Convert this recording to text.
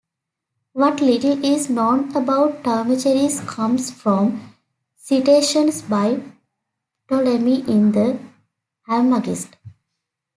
What little is known about Timocharis comes from citations by Ptolemy in the "Almagest".